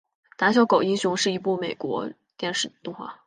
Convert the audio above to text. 胆小狗英雄是一出美国电视动画。